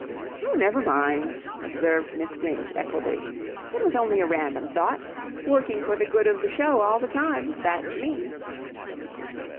"Oh, never mind," observed Miss Winch, equably. "It was only a random thought. Working for the good of the show all the time. That's me."